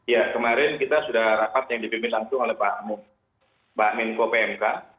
ya kemarin kita sudah rapat yang dipimpin langsung oleh pak menko pmk